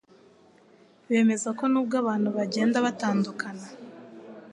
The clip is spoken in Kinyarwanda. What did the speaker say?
bemeza ko n'ubwo abantu bagenda batandukana